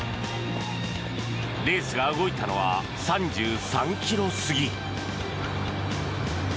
レースが動いたのは３３ｋｍ過ぎ。